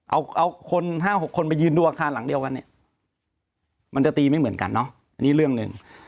เอาคน๕๖คนมายืนดูอาคารหลังเดียวกันเนี่ยมันจะตีไม่เหมือนกันเนาะอันนี้เรื่องหนึ่ง